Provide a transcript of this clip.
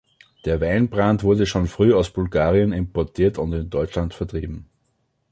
Der Weinbrand wurde schon früh aus Bulgarien importiert und in Deutschland vertrieben.